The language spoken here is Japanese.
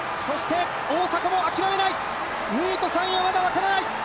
大迫も諦めない、２位と３位はまだ分からない。